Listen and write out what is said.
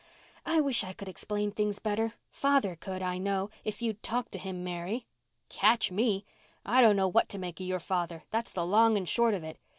"I wish I could explain things better—father could, I know, if you'd talk to him, Mary." "Catch me! I don't know what to make of your father, that's the long and short of it.